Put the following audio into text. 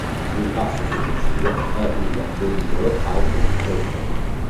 Il passo successivo è il velivolo "Airbus Racer".